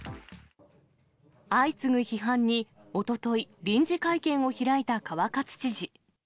相次ぐ批判におととい、臨時会見を開いた川勝知事。